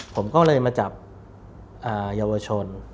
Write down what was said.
ผมก็เลยมาจับเยาวชน